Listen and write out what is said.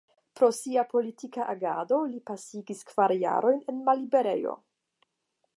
Pro sia politika agado, li pasigis kvar jarojn en malliberejo.